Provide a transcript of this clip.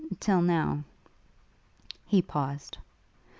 till now....' He paused.